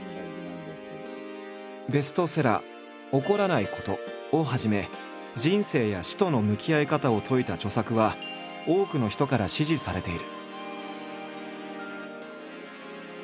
ベストセラー「怒らないこと」をはじめ人生や死との向き合い方を説いた著作は多くの人から支持されている。